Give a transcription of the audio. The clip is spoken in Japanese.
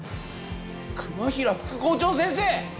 熊平副校長先生！